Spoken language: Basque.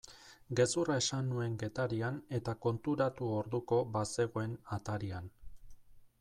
Gezurra esan nuen Getarian eta konturatu orduko bazegoen atarian.